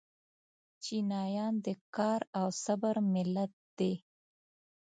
چینایان د کار او صبر ملت دی.